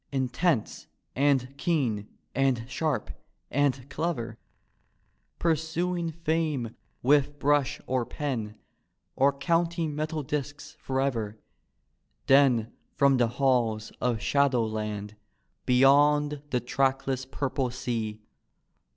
Intense and keen and sharp and clever, Pursuing fame with brush or pen, Or counting metal disks forever, Then from the halls of Shadowland, Beyond the trackless purple sea.